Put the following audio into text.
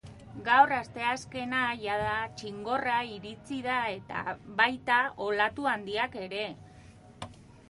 Gaur, asteazkena, jada txingorra iritsi da eta baita olatu handiak ere.